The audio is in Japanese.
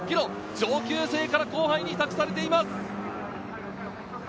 上級生から２年生に託されています。